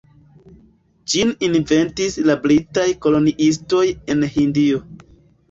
Ĝin inventis la britaj koloniistoj en Hindio.